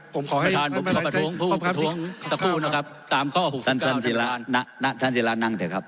ประทานผมจะประทวงผู้ประทวงสกุลนะครับตามข้อ๖๙ท่านท่านท่านสิระนั่งเถอะครับ